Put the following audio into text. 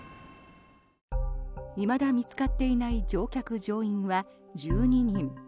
いまだ見つかっていない乗客・乗員は１２人。